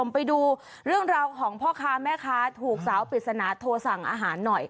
ไปดูเรื่องราวของพ่อค้าแม่ค้าถูกสาวปริศนาโทรสั่งอาหารหน่อย